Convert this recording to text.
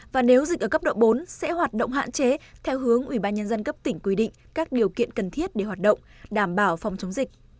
và nếu dịch ở cấp độ bốn sẽ hoạt động hạn chế theo hướng ubnd cấp tỉnh quy định các điều kiện cần thiết để hoạt động đảm bảo phòng chống dịch